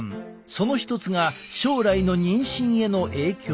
その一つが将来の妊娠への影響。